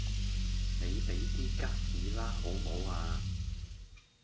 你俾啲吉士啦好無呀